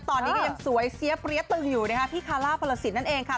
ตอนนี้ก็ยังสวยเสียเปรี้ยตึงอยู่นะคะพี่คาล่าพลสินนั่นเองค่ะ